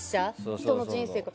人の人生の。